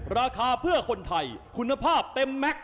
ราคาเพื่อคนไทยคุณภาพเต็มแม็กซ